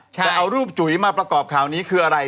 แต่เอารูปจุ๋ยมาประกอบข่าวนี้คืออะไร